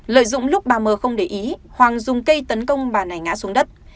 lợi dụng lúc bà m không để ý hoàng dùng cây tấn công bà này ngã xuống đất